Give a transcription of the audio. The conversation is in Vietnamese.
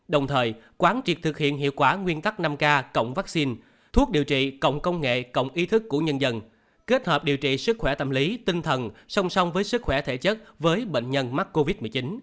đồng thời quán triệt thực hiện hiệu quả nguyên tắc năm k cộng vaccine thuốc điều trị cộng công nghệ cộng ý thức của nhân dân kết hợp điều trị sức khỏe tâm lý tinh thần song song với sức khỏe thể chất với bệnh nhân mắc covid một mươi chín